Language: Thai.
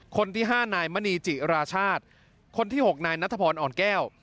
คนที่๕นายมณีจิราชาติคนที่๖นายนัทพรอ่อนแก้ว